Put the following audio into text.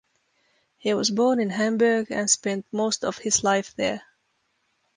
He was born in Hamburg, and spent most of his life there.